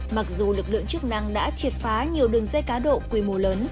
mặc dù lực lượng chức năng đã triệt phá nhiều đường dây cá độ quy mô lớn